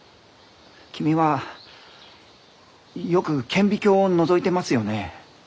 君はよく顕微鏡をのぞいてますよね？